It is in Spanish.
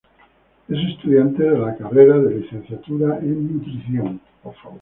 Es estudiante de la carrera de Licenciatura en Nutrición.